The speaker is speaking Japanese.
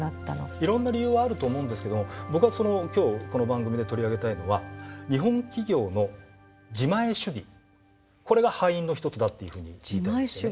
いろんな理由はあると思うんですけども僕は今日この番組で取り上げたいのは日本企業の自前主義これが敗因の一つだっていうふうに言いたいんですよね。